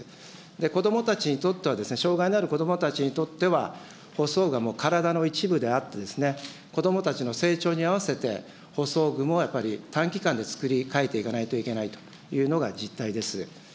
子どもたちにとっては、障害のある子どもたちにとっては、補装具は体の一部であって、子どもたちの成長に合わせて、補装具もやっぱり、短期間で作り替えていかないといけないというのがじったいです。